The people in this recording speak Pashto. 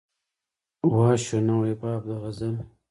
وا شو نوی باب د غزل